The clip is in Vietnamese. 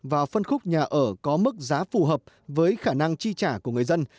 vào phân khúc nhà ở có mức giá phù hợp với khả năng chi trả của người dân